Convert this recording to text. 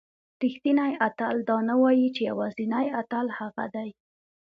رښتینی اتل دا نه وایي چې یوازینی اتل هغه دی.